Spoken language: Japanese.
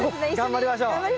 頑張りましょう。